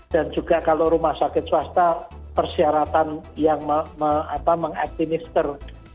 dan juga kalau rumah sakit swasta persyaratan yang mengaktivisir